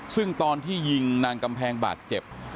ซึ่งตอนที่ยิงนางกำแพงบาดเจ็บ